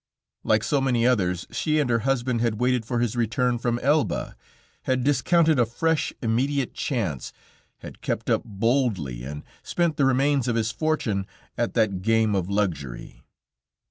Like so many others, she and her husband had waited for his return from Elba, had discounted a fresh, immediate chance, had kept up boldly and spent the remains of his fortune at that game of luxury.